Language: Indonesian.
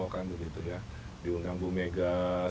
kan begitu ya di undang bumegang